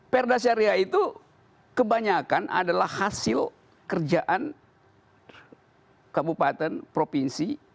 perdasyariah itu kebanyakan adalah hasil kerjaan kabupaten provinsi